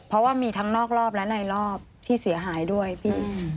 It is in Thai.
เพราะว่ามีทั้งนอกรอบและในรอบที่เสียหายด้วยพี่